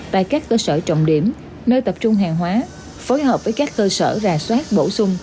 tại các cơ sở trọng điểm nơi tập trung hàng hóa phối hợp với các cơ sở rà soát bổ sung